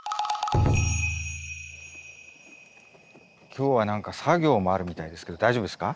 今日は何か作業もあるみたいですけど大丈夫ですか？